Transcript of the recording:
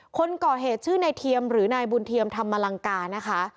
คนก่อเหตุชื่อนายเทียมหรือนายบุญเทียมธรรมลังกานะคะ